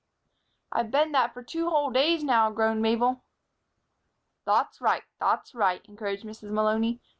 "I've been that for two whole days now," groaned Mabel. "Thot's right, thot's right," encouraged Mrs. Malony.